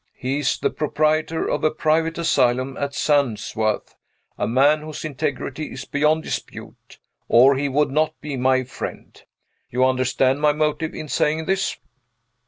He is the proprietor of a private asylum at Sandsworth a man whose integrity is beyond dispute, or he would not be my friend. You understand my motive in saying this?"